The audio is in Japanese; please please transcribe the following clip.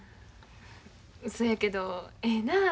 そやけどええなあ。